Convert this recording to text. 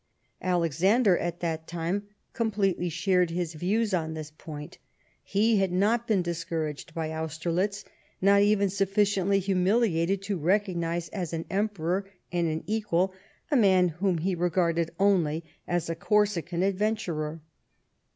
Alexander^ at that time, completely shared his views on this point. He had not been discouraged by Austerlitz ; not even sufficiently humiliated to recognise as an Emperor and an equal a man whom he regarded only as a Corsican adventurer.